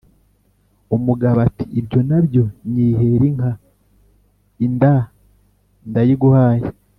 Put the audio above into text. Umugabo ati: "Ibyo na byo ! Nyihera inka, inda ndayiguhaye"